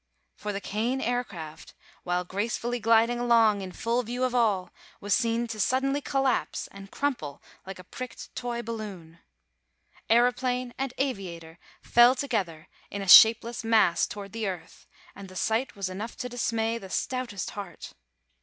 For the Kane Aircraft, while gracefully gliding along, in full view of all, was seen to suddenly collapse and crumple like a pricked toy balloon. Aëroplane and aviator fell together in a shapeless mass toward the earth, and the sight was enough to dismay the stoutest heart.